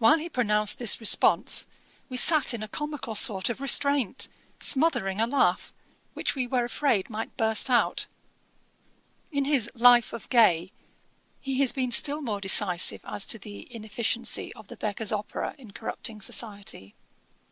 While he pronounced this response, we sat in a comical sort of restraint, smothering a laugh, which we were afraid might burst out. In his Life of Gay, he has been still more decisive as to the inefficiency of The Beggar's Opera in corrupting society.